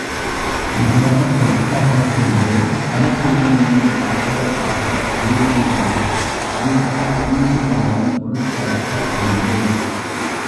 நாடகக் கொட்டகைக்குள்ளே அதற்குமேல் நின்று பார்ப்பதற்காக அநேகம் பேர் ரூபாய் ஐந்து விகிதம் கொடுத்ததாக அறிந்தேன்.